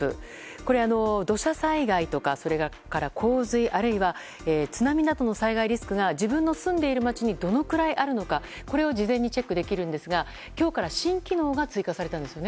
これは土砂災害とか洪水あるいは津波などの災害リスクが自分の住んでいる街にどのくらいあるのかを事前にチェックできるんですが今日から新機能が追加されたんですよね。